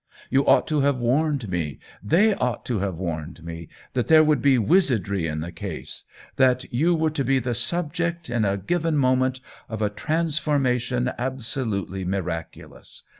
You ought to have warned me, they ought to have warned me, that there would be wizardry in the case, that you were to be the subject, at a given moment, of a transformation absolutely mi raculous.